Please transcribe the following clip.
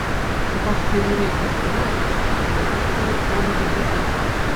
Чӑваш фенри тухтӑра спортсмена допинг панӑ тесе айӑпласшӑн.